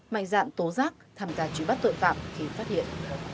mạnh dạng tố giác tham gia truy bắt tội phạm khi phát hiện